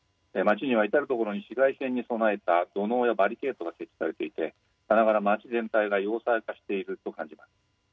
街には至るところに市街戦に備えた土のうやバリケードが設置されていてさながら街全体が要塞化していると感じます。